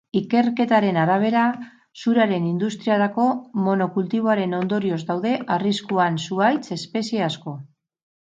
Ikerketaren arabera, zuraren industriarako monokultiboaren ondorioz daude arriskuan zuhaitz espezie asko.